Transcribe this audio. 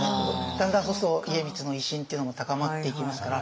だんだんそうすると家光の威信っていうのも高まっていきますから。